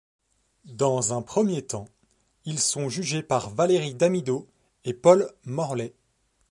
Dans un premier temps, ils sont jugés par Valérie Damidot et Paul Morlet.